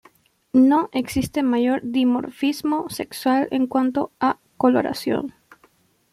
No existe mayor dimorfismo sexual en cuanto a coloración.